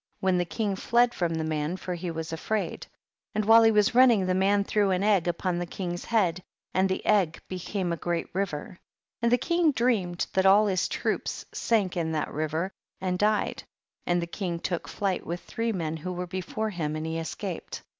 when"^the king fled from the man, I for he was afraid ; and while he THE BOOK OF JASHER. 36 Was running, the man threw an egg upon the king's head, and the egg became a great river. 47. And tiie king dreamed that all his troops sank in that river and died, and the king took flight with three men who were before huu and he escaped.